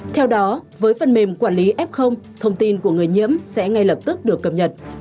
theo đó với phần mềm quản lý f thông tin của người nhiễm sẽ ngay lập tức được cập nhật